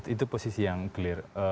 itu posisi yang clear